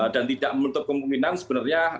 dan tidak menutup kemungkinan sebenarnya